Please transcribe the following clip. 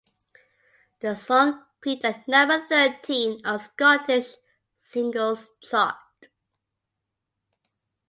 The song peaked at number thirteen on the Scottish Singles Charts.